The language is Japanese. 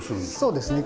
そうですね